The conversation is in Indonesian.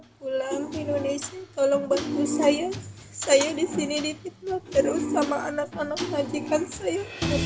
pulang ke indonesia tolong bantu saya saya disini ditikut terus sama anak anak majikan saya